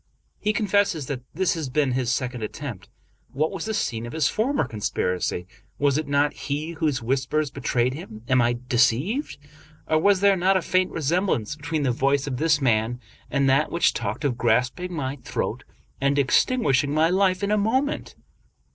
He confesses that this has been his second attempt. What was the scene of his former conspiracy? Was it not he whose whispers betrayed him? Am I deceived? or was there not a faint resemblance between the voice of this man and that which talked of grasping my throat and extinguishing my life in a moment?